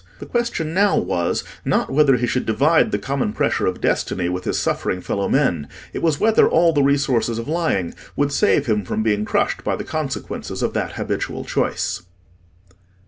The question now was, not whether he should divide the common pressure of destiny with his suffering fellow men; it was whether all the resources of lying would save him from being crushed by the consequences of that habitual choice.